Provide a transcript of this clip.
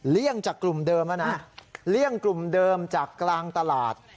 เลี่ยงจากกลุ่มเดิมแล้วนะเลี่ยงกลุ่มเดิมจากกลางตลาด